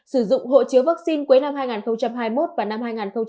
sử dụng hộ chiếu vaccine cuối năm hai nghìn hai mươi một và năm hai nghìn hai mươi ba